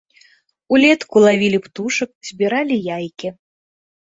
Улетку лавілі птушак, збіралі яйкі.